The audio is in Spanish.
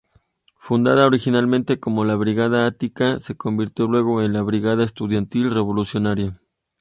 Fundada originalmente como la "Brigada Attica", se convirtió luego en la "brigada estudiantil revolucionaria".